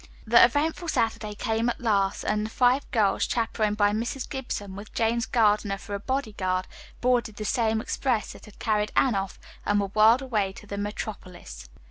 The eventful Saturday came at last, and the five girls, chaperoned by Mrs. Gibson, with James Gardiner for a bodyguard, boarded the same express that had carried Anne off and were whirled away to the metropolis.